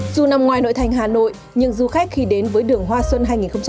dù nằm ngoài nội thành hà nội nhưng du khách khi đến với đường hoa xuân hai nghìn hai mươi